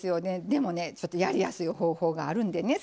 でもねちょっとやりやすい方法があるんでね